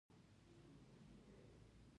د میرمنو کار د سولې بنسټ پیاوړی کوي.